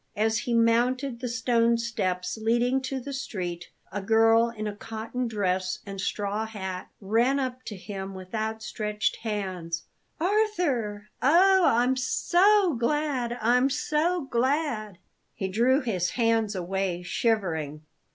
As he mounted the stone steps leading to the street, a girl in a cotton dress and straw hat ran up to him with outstretched hands. "Arthur! Oh, I'm so glad I'm so glad!" He drew his hands away, shivering.